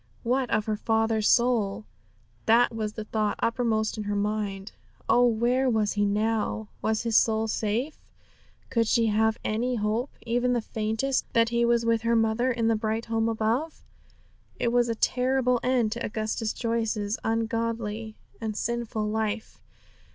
What of her father's soul? That was the thought uppermost in her mind. Oh, where was he now? Was his soul safe? Could she have any hope, even the faintest, that he was with her mother in the bright home above? It was a terrible end to Augustus Joyce's ungodly and sinful life.